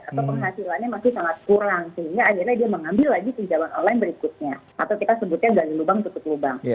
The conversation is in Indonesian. atau penghasilannya masih sangat kurang sehingga akhirnya dia mengambil lagi pinjaman online berikutnya atau kita sebutnya dari lubang tutup lubang